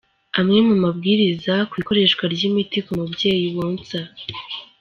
Amwe mu mabwiriza ku ikoreshwa ry’imiti ku mubyeyi wonsa.